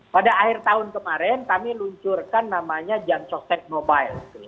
pada akhir tahun kemarin kami luncurkan namanya jansoset mobile